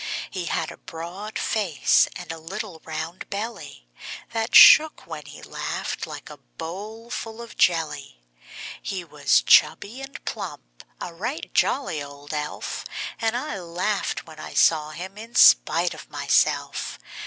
He had a broad face, and a little round belly That shook when he laughed, like a bowl full of jelly. He was chubby and plump a right jolly old elf; And I laughed when I saw him in spite of myself.